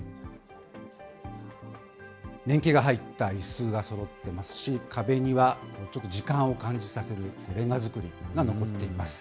年季が入ったいすがそろっていますし、壁にはちょっと時間を感じさせるレンガ造りが残っています。